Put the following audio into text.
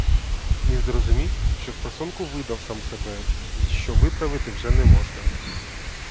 Він зрозумів, що спросонку видав сам себе й що виправити вже не можна.